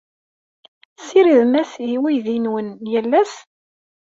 Tessiridem-as i uydi-nwen yal ass?